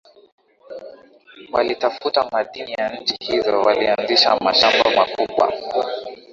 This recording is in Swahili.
Walitafuta madini ya nchi hizo walianzisha mashamba makubwa